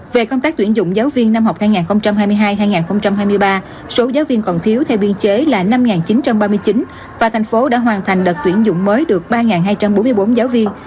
về công tác tuyển dụng giáo viên năm học hai nghìn hai mươi hai hai nghìn hai mươi ba số giáo viên còn thiếu theo biên chế là năm chín trăm ba mươi chín và thành phố đã hoàn thành đợt tuyển dụng mới được ba hai trăm bốn mươi bốn giáo viên